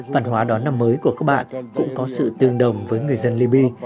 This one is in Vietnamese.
văn hóa đó năm mới của các bạn cũng có sự tương đồng với người dân libi